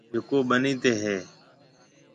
جڪو ٻنِي تي هيَ۔